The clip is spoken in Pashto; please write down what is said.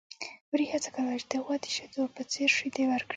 وري هڅه کوله چې د غوا د شیدو په څېر شیدې ورکړي.